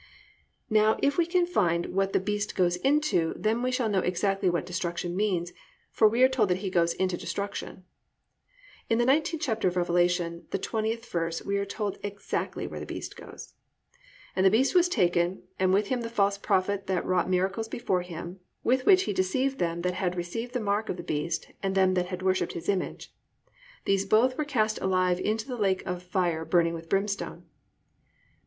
Now if we can find what the beast goes into, then we shall know exactly what "destruction" means, for we are told that he goeth "into destruction." In the 19th chapter of Revelation, the 20th verse, we are told exactly where the beast goes: +"And the beast was taken, and with him the false prophet that wrought miracles before him, with which he deceived them that had received the mark of the beast, and them that worshipped his image. These both were cast alive into a lake of fire burning with brimstone."